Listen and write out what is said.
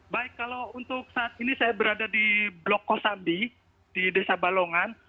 baik kalau untuk saat ini saya berada di blok kosambi di desa balongan